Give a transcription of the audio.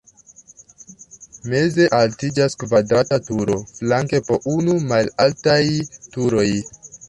Meze altiĝas kvadrata turo, flanke po unu malaltaj turoj.